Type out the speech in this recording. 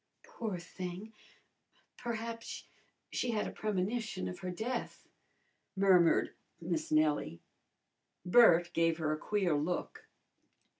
"Poor thing! Perhaps she had a premonition of her death," murmured Miss Nellie. Bert gave her a queer look.